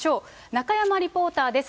中山リポーターです。